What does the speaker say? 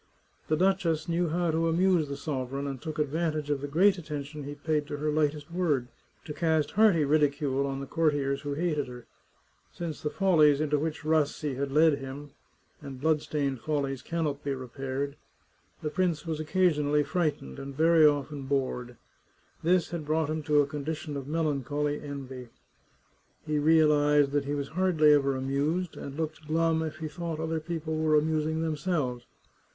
The duchess knew how to amuse the sovereign, and took advantage of the great at tention he paid to her lightest word, to cast hearty ridicule on the courtiers who hated her. Since the follies into which Rassi had led him — and bloodstained follies cannot be re paired— the prince was occasionally frightened, and very often bored. This had brought him to a condition of melan choly envy. He realized that he was hardly ever amused, and looked glum if he thought other people were amusing themselves.